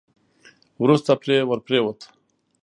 وروسته پرې ور پرېووت.